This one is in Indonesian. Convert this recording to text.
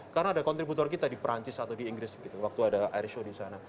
karena ada kontributor kita di perancis atau di inggris waktu ada airshow di sana